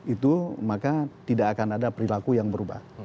itu maka tidak akan ada perilaku yang berubah